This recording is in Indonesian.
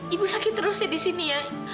ibu sakit terus ya di sini ya